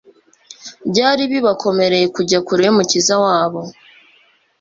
Byari bibakomereye kujya kure y'Umukiza wabo.